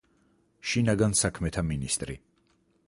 შინაგან საქმეთა მინისტრი.